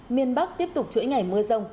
miền bắc tiếp tục chuỗi ngày mưa rông